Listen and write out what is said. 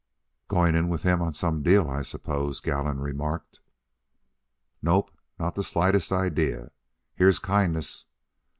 "Going in with him on some deal, I suppose," Gallon remarked. "Nope, not the slightest idea. Here's kindness.